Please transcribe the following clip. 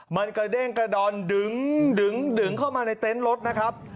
มันกระเด้งกระดอนดึงเข้ามาในเต็นต์รถนะครับ